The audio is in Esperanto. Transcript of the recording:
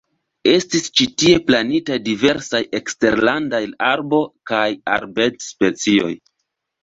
Estis ĉi tie plantitaj diversaj eksterlandaj arbo- kaj arbed-specioj.